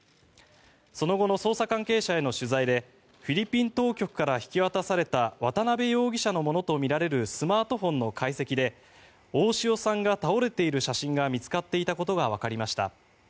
その後の捜査関係者への取材でフィリピン当局から引き渡された渡邉容疑者のものとみられるスマートフォンの解析で大塩さんが倒れている写真が見つかっていたことがわかりました。